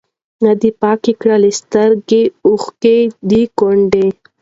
نه دي پاکي کړلې سرې اوښکي د کونډي